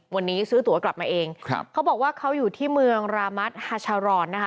วันนี้ซื้อตัวกลับมาเองครับเขาบอกว่าเขาอยู่ที่เมืองรามัตฮาชารอนนะคะ